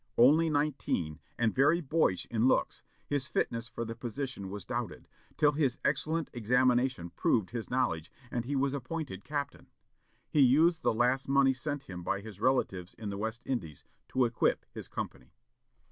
Only nineteen, and very boyish in looks, his fitness for the position was doubted, till his excellent examination proved his knowledge, and he was appointed captain. He used the last money sent him by his relatives in the West Indies, to equip his company.